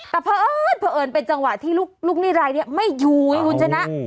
แต่เพราะเอิญเผอิญเป็นจังหวะที่ลูกหนี้รายนี้ไม่อยู่ไงคุณชนะ